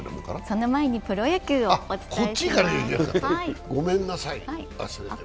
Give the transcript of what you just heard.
その前にプロ野球をお伝えします。